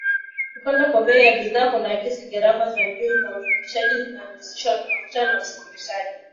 Kupanda kwa bei za bidhaa kunaakisi gharama za juu za uzalishaji zinazohusishwa na mafuta na usafirishaji.